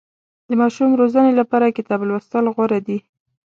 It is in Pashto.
د ماشوم روزنې لپاره کتاب لوستل غوره دي.